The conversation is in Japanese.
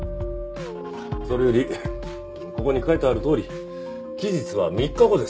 それよりここに書いてあるとおり期日は３日後です。